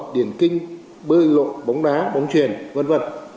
điển kinh bơi lộ bóng đá bóng truyền v v